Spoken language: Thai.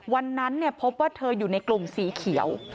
วันนั้นพบว่าเธออยู่ในกลุ่มสีเขียว